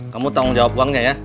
kamu tanggung jawab uangnya ya